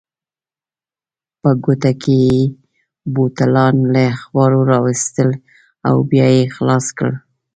په کوټه کې یې بوتلان له اخبارو راوایستل او بیا یې خلاص کړل.